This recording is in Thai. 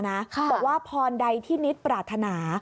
บอกว่าพรใดที่นิดปรารถนา